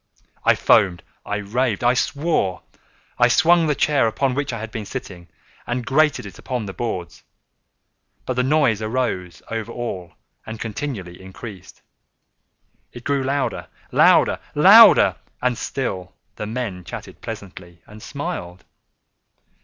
I foamed—I raved—I swore! I swung the chair upon which I had been sitting, and grated it upon the boards, but the noise arose over all and continually increased. It grew louder—louder—louder! And still the men chatted pleasantly, and smiled.